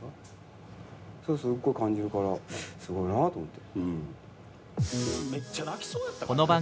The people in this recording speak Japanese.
それすっごい感じるからすごいなと思って。